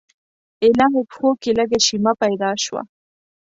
ایله مې پښو کې لږه شیمه پیدا شوه.